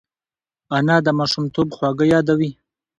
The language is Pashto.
انا د ماشومتوب خواږه یادوي